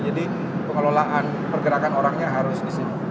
jadi pengelolaan pergerakan orangnya harus di sini